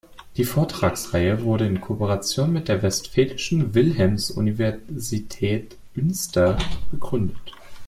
Die Vortragsreihe wurde in Kooperation mit der Westfälischen Wilhelms-Universitätünster begründet.